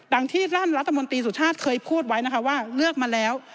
ดังที่ร่านรัฐมนตรีสุทธาตุเคยพูดไว้ว่าเลือกมาแล้ว